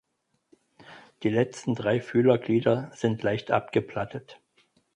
Die letzten drei Fühlerglieder sind leicht abgeplattet.